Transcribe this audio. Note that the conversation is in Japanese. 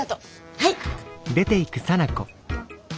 はい！